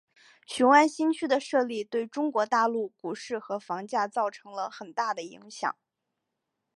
雄安新区的设立对中国大陆股市和房价造成了很大的影响。